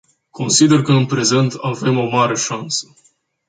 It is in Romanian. Consider că în prezent avem o mare șansă.